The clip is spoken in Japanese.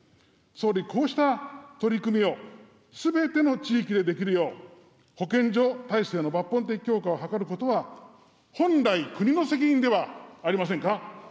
総理、こうした取り組みを、すべての地域でできるよう、保健所体制の抜本的強化を図ることは、本来、国の責任ではありませんか。